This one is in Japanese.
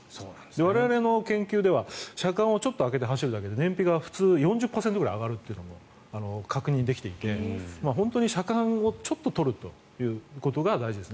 我々の研究では車間をちょっと空けるだけで燃費が普通、４０％ぐらい上がるというのが確認できていて本当に車間をちょっと取るということが大事です。